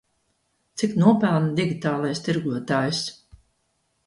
Cik nopelna digitālais tirgotājs?